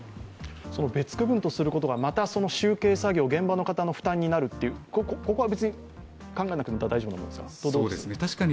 別区分とすることがまた集計作業、現場の方の負担になる、ここは別に考えなくても大丈夫ですか？